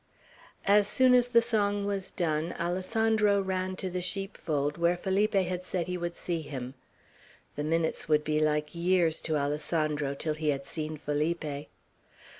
As soon as the song was done, Alessandro ran to the sheepfold, where Felipe had said he would see him. The minutes would be like years to Alessandro till he had seen Felipe.